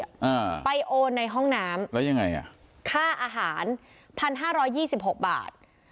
อ่าไปโอนในห้องน้ำแล้วยังไงอ่ะค่าอาหารพันห้าร้อยยี่สิบหกบาท